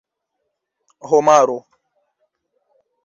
homaro